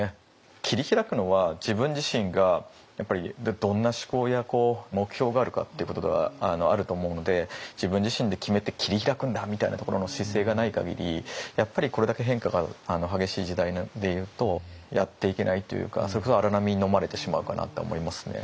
切り開くのは自分自身がやっぱりどんな志向や目標があるかっていうことがあると思うので自分自身で決めて切り開くんだみたいなところの姿勢がない限りこれだけ変化が激しい時代でいうとやっていけないというかそれこそ荒波にのまれてしまうかなとは思いますね。